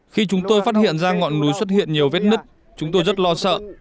khi chúng tôi phát hiện ra ngọn núi xuất hiện nhiều vết nứt chúng tôi rất lo sợ